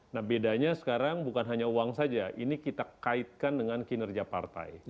nah bedanya sekarang bukan hanya uang saja ini kita kaitkan dengan kinerja partai